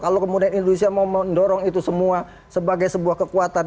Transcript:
kalau kemudian indonesia mau mendorong itu semua sebagai sebuah kekuatan